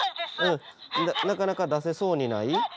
なかなか出せそうにない？